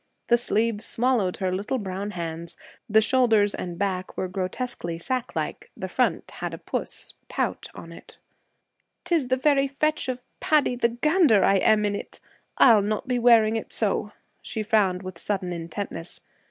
The sleeves swallowed her little brown hands, the shoulders and back were grotesquely sack like, the front had a puss [pout] on it. ''Tis the very fetch of Paddy the gander I am in it. I'll not be wearing it so.' She frowned with sudden intentness.